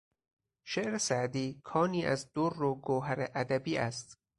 شعر سعدی کانی از در و گوهر ادبی است.